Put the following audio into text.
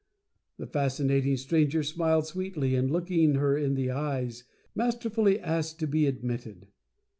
The Fascinating Stranger smiled sweetly, and looking her in the eyes, master fully asked to be admitted.